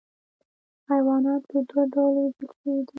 حیوانات په دوه ډلو ویشل شوي دي